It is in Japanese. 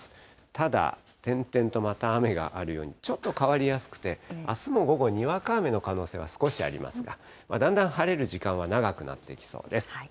ただ、点々とまた雨があるように、ちょっと変わりやすくて、あすも午後、にわか雨の可能性が少しありますが、だんだん晴れる時間は長くなっていきそうです。